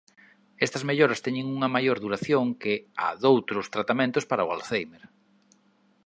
Estas melloras teñen unha maior duración que a doutros tratamentos para o alzhéimer.